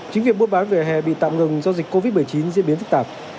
chính việc buôn bán về hè bị tạm ngừng do dịch covid một mươi chín diễn biến phức tạp